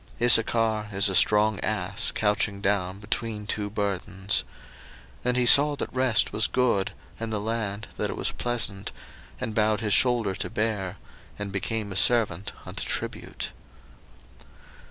01:049:014 Issachar is a strong ass couching down between two burdens: 01:049:015 And he saw that rest was good, and the land that it was pleasant; and bowed his shoulder to bear, and became a servant unto tribute.